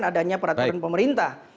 kebijakannya peraturan pemerintah